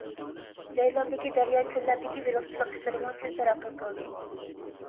جايلاردىكى دەريا، كۆللەردىكى بېلىقچىلىق ئىشلىرىمۇ تېز تەرەققىي قىلدى.